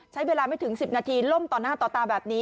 ใช้เวลาไม่ถึง๑๐นาทีล่มต่อหน้าต่อตาแบบนี้